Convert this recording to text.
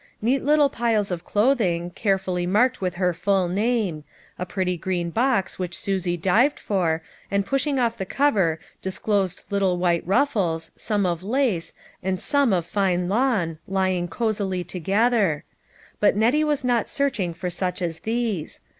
Neat little piles of clothing, carefully 86 LITTLE FISHEKS : AND THEIR NETS. marked with her full name ; a pretty green box which Susie 'dived for, and pushing off the cover disclosed little white ruffles, some of lace, and some of fine lawn, lying cosily together ; but Nettie was not searching for such as these.